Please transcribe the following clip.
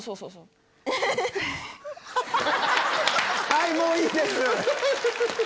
はいもういいです！